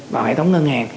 vào hệ thống ngân hàng